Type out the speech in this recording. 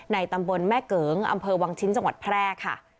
ตำบลแม่เกิงอำเภอวังชิ้นจังหวัดแพร่ค่ะ